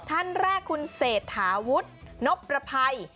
ท่านแรกคุณเศรษฐาวุฒินพประภัย